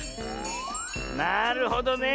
なるほどね。